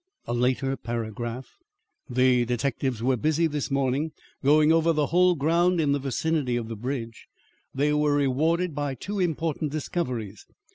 A later paragraph. "The detectives were busy this morning, going over the whole ground in the vicinity of the bridge. "They were rewarded by two important discoveries.